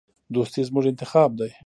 دوستي زموږ انتخاب دی.